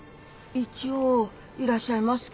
一応いらっしゃいますけど。